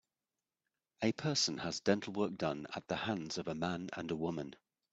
A person has dental work done at the hands of a man and a woman.